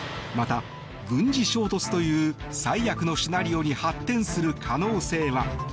また、軍事衝突という最悪のシナリオに発展する可能性は？